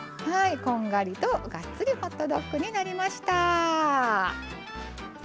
こんがりとがっつりホットドッグになりました。